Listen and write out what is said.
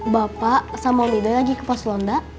bapak sama om ido lagi ke pas ronda